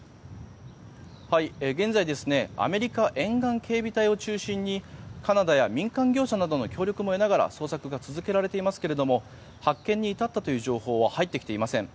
現在アメリカ沿岸警備隊を中心にカナダや民間業者などの協力も得ながら捜索が続けられていますけれども発見に至ったという情報は入ってきていません。